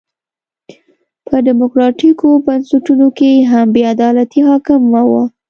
په ډیموکراټیکو بنسټونو کې هم بې عدالتي حاکمه وه.